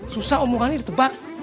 susah omongannya ditebak